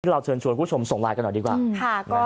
เราเชิญชวนคุณผู้ชมส่งไลน์กันหน่อยดีกว่า